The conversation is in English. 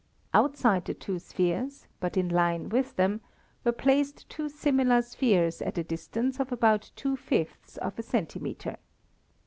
Outside the two spheres, but in line with them, were placed two smaller spheres at a distance of about two fifths of a centimeter.